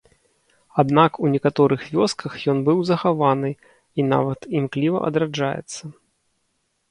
Аднак у некаторых вёсках ён быў захаваны і нават імкліва адраджаецца.